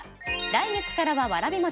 来月からはわらび餅。